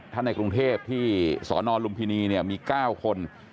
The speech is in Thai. ทั้งในกรุงเทพฯที่สนลุมพินีมี๙คน